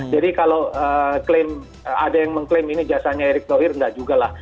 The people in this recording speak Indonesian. jadi kalau ada yang mengklaim ini jasanya erik thohir nggak juga lah